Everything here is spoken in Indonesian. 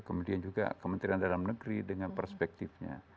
kemudian juga kementerian dalam negeri dengan perspektifnya